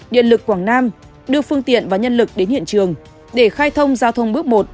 điện lực quảng nam đưa phương tiện và nhân lực đến hiện trường để khai thông giao thông bước một